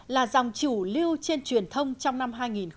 là dòng chủ lưu trên truyền thông trong năm hai nghìn một mươi bảy